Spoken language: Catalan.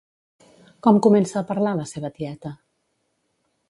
Com comença a parlar la seva tieta?